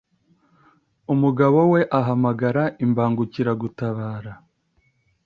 umugabo we ahamagara imbangukiragutabara